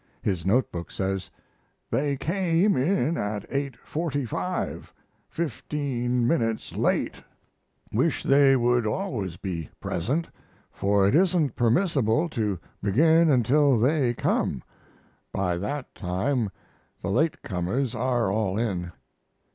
His note book says: They came in at 8.45, 15 minutes late; wish they would always be present, for it isn't permissible to begin until they come; by that time the late comers are all in.